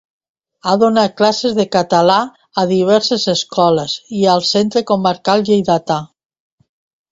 Ha donat classes de català a diverses escoles i al Centre Comarcal Lleidatà.